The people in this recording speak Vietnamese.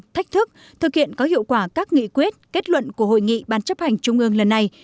thách thức thực hiện có hiệu quả các nghị quyết kết luận của hội nghị ban chấp hành trung ương lần này